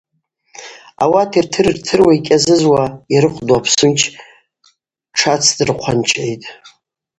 Ауат йтыртыруа йкӏьазызуа йрыхъвду апсунч тшацӏдрыхъванчгӏитӏ.